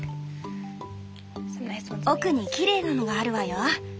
奥にきれいなのがあるわよ。